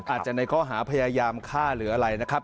ในข้อหาพยายามฆ่าหรืออะไรนะครับ